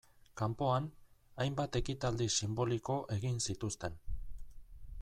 Kanpoan, hainbat ekitaldi sinboliko egin zituzten.